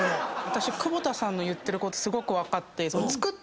私久保田さんの言ってることすごく分かって。